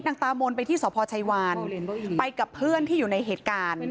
ตามนไปที่สพชัยวานไปกับเพื่อนที่อยู่ในเหตุการณ์